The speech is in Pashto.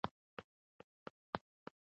ساینسپوهانو په پاریس کې نوې ماده وموندله.